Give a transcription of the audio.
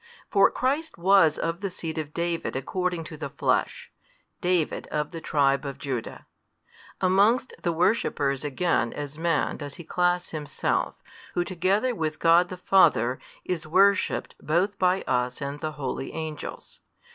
For Christ was of the seed of David according to the flesh, David of the tribe of Judah. Amongst the worshippers again as Man does He class Himself, Who together with God the Father is worshipped both by us and the holy angels.